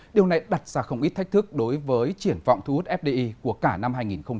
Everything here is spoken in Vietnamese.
điều này đặt ra không ít thách thức đối với triển vọng thu hút fdi của cả năm hai nghìn một mươi chín